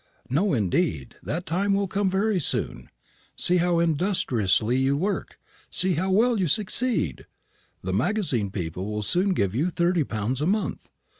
"O no, indeed; that time will come very soon. See how industriously you work, and how well you succeed. The magazine people will soon give you thirty pounds a month.